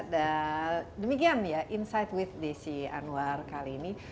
dan demikian ya insight with desy anwar kali ini